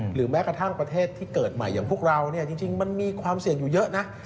แม้กระทั่งประเทศที่เกิดใหม่อย่างพวกเราเนี่ยจริงมันมีความเสี่ยงอยู่เยอะนะ